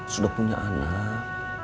sudah punya anak